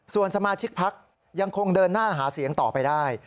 ส่วนสมาชิกพักยังคงเดินหน้าหาเสียงต่อไปได้